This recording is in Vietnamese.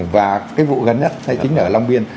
và cái vụ gần nhất hay chính là ở long biên